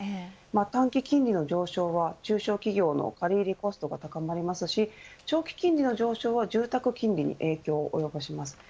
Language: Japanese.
短期金利の上昇は中小企業の借り入れコストが高まりますし長期金利の上昇は住宅金利に影響を及ぼします。